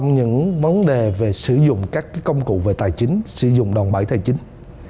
những vấn đề về sử dụng các công cụ về tài chính sử dụng đồng bãi tài chính